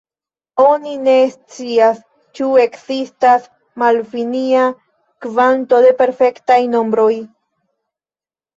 Oni ne scias, ĉu ekzistas malfinia kvanto de perfektaj nombroj.